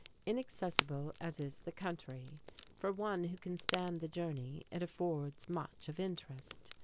Inaccessible as is the country, for one who can stand the journey it affords much of interest.